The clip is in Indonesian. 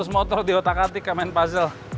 seratus motor di otak atik kamen puzzle